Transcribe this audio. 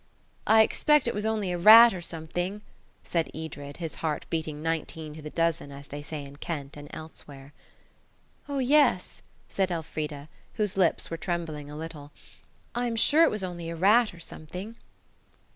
"I expect it was only a rat or something," said Edred, his heart beating nineteen to the dozen, as they say in Kent and elsewhere. "Oh, yes," said Elfrida, whose lips were trembling a little; "I'm sure it was only a rat or something."